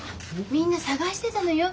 みんな捜してたのよ。